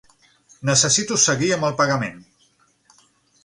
Necessito seguir amb el pagament.